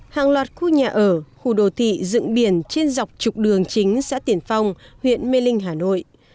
hàng loạt khu nhà ở khu đồ thị dựng biển trên dọc trục đường chính xã tiền phong huyện mê linh hà nội